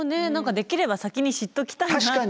できれば先に知っておきたいなって。